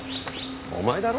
お前だろ？